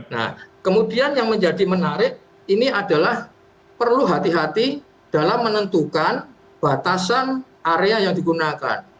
nah kemudian yang menjadi menarik ini adalah perlu hati hati dalam menentukan batasan area yang digunakan